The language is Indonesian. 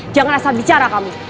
jangan asal bicara kamu